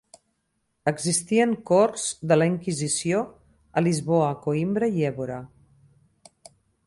Existien Corts de la Inquisició a Lisboa, Coïmbra i Évora.